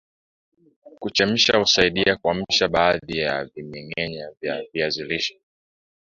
Kuchemsha husaidia kuamsha baadhi ya vimengenya vya viazi lishe